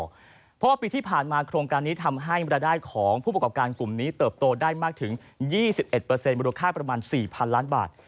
เพราะว่าปีที่ผ่านมาโครงการนี้ทำให้รายได้ของผู้ประกอบการกลุ่มนี้เติบโตได้มากถึง๒๑มูลค่าประมาณ๔๐๐๐ล้านบาท